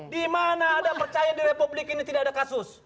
di mana ada percaya di republik ini tidak ada kasus